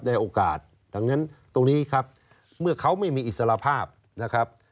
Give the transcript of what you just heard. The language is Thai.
โอกาสดังนั้นตรงนี้ครับเมื่อเขาไม่มีอิสระภาพนะครับ